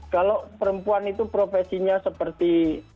kalau perempuan itu profesinya seperti